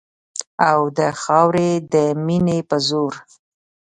او د خاورې د مینې په زور